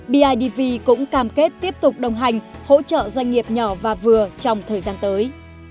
bidv cũng cam kết tiếp tục đồng hành hỗ trợ doanh nghiệp nhỏ và vừa trong thời gian tới